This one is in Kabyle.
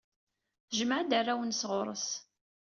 Tejmeɛ-d arraw-nnes ɣer ɣur-s.